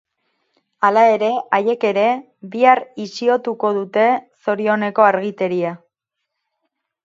Hala ere, haiek ere bihar isiotuko dute zorioneko argiteria.